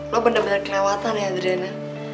lo bener bener kelewatan ya audrena